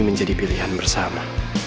menjadi pilihan bersama